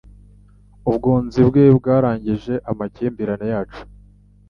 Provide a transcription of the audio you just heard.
Ubwunzi bwe bwarangije amakimbirane yacu.